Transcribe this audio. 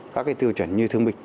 các tư vấn